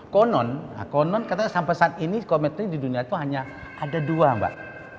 konon konon katanya sampai saat ini kometry di dunia itu hanya ada dua mbak